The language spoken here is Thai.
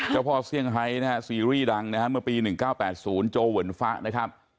เจ้าพ่อเซี่ยงไฮนะฮะซีรีส์ดังนะฮะเมื่อปี๑๙๘๐โจเวินฟะนะครับ